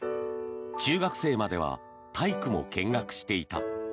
中学生までは体育も見学していた。